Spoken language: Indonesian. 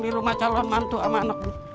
di rumah calon mantu sama anak bu